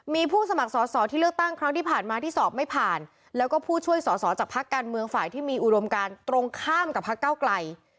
มีผู้สมัครสอสอที่เลือกตั้งครั้งที่ผ่านมาที่สอบไม่ผ่านแล้วก็ผู้ช่วยสอสอจากพักการเมืองฝ่ายที่มีอุดมการตรงข้ามกับพักเก้าไกล